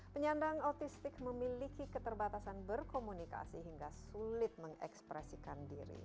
penyandang autistik memiliki keterbatasan berkomunikasi hingga sulit mengekspresikan diri